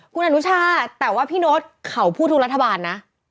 คุณอนุชาแต่ว่าพี่โน๊ตเขาพูดทุกรัฐบาลนะ